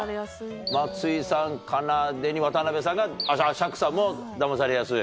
松居さんかなでに渡さんがあっ釈さんもダマされやすい。